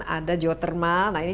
ada jawa termal nah ini